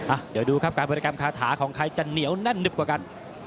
อ่ะเดี๋ยวดูครับการบริกรรมคาถาของใครจะเหนียวแน่นหึบกว่ากัน